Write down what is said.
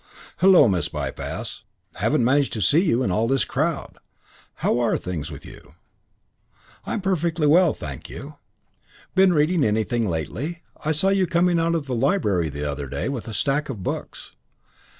"Hullo, Miss Bypass. Haven't managed to see you in all this crowd. How're things with you?" "I'm perfectly well, thank you." "Been reading anything lately? I saw you coming out of the library the other day with a stack of books."